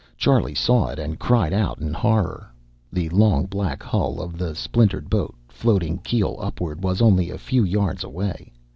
Charlie saw it, and cried out in horror. The long black hull of the splintered boat, floating keel upward, was only a few yards away.